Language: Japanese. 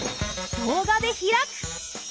動画でひらく！